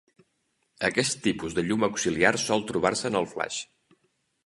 Aquest tipus de llum auxiliar sol trobar-se en el flaix.